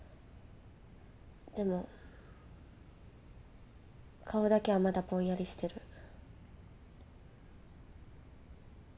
でも顔だけはまだぼんやりしてる。